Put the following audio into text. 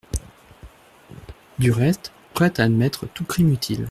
Du reste, prête à admettre tout crime utile.